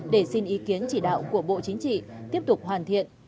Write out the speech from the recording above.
để xin ý kiến chỉ đạo của bộ chính trị tiếp tục hoàn thiện